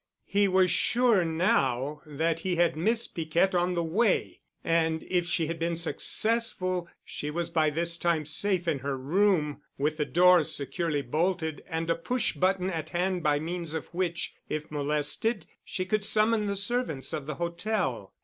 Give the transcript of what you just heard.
He was sure now that he had missed Piquette on the way and if she had been successful she was by this time safe in her room with the doors securely bolted and a push button at hand by means of which, if molested, she could summon the servants of the hotel.